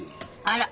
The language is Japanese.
あら！